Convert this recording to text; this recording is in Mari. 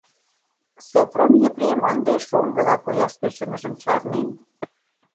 Сопром Епрем ынде шоҥгыла кояш тӧчымыжым чарнен.